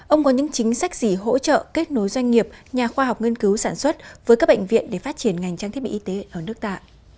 ông có những chính sách gì hỗ trợ kết nối doanh nghiệp nhà khoa học nghiên cứu sản xuất với các bệnh viện để phát triển ngành trang thiết bị y tế ở nước ta